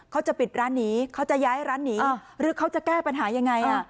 เขาจะปิดร้านหนีเขาจะย้ายร้านหนีหรือเขาจะแก้ปัญหายังไง